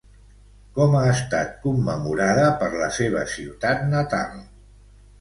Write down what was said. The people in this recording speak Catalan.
Com ha estat commemorada per la seva ciutat natal?